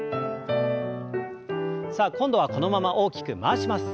さあ今度はこのまま大きく回します。